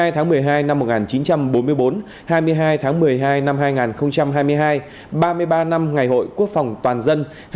hai mươi hai tháng một mươi hai năm một nghìn chín trăm bốn mươi bốn hai mươi hai tháng một mươi hai năm hai nghìn hai mươi hai ba mươi ba năm ngày hội quốc phòng toàn dân